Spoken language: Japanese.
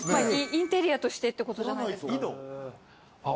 インテリアとしてってことじゃないですか？